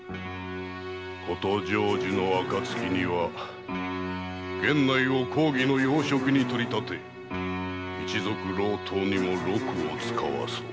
こと成就の暁には源内を公儀の要職に取り立て一族郎党にも禄を遣わそう。